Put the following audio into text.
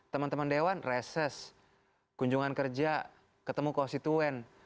teman teman dewan reses kunjungan kerja ketemu konstituen